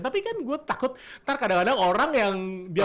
tapi kan gue takut ntar kadang kadang orang yang dia